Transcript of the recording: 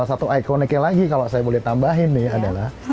satu ikoniknya lagi kalau saya boleh tambahin nih adalah